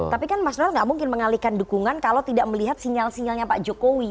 tapi kan mas donald nggak mungkin mengalihkan dukungan kalau tidak melihat sinyal sinyalnya pak jokowi